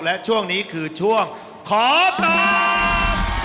และช่วงนี้คือช่วงขอตอบ